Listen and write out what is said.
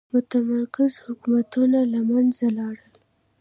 متمرکز حکومتونه له منځه لاړل.